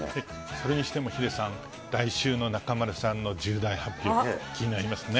それにしても、ヒデさん、来週の中丸さんの重大発表、気になりますね。